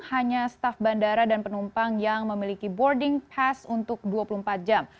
hanya staf bandara dan penumpang yang memiliki boarding pass untuk dua puluh empat jam